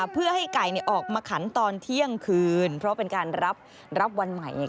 เพื่อให้ไก่ออกมาขันตอนเที่ยงคืนเพราะเป็นการรับวันใหม่